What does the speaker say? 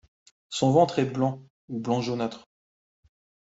Son ventre est blanc ou blanc jaunâtre.